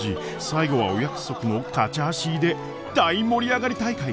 最後はお約束のカチャーシーで大盛り上がり大会。